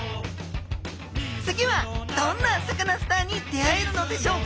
次はどんなサカナスターに出会えるのでしょうか？